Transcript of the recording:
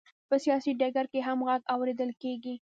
په سیاسي ډګر کې یې غږ هم اورېدل کېږي.